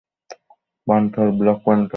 Panther, black panther.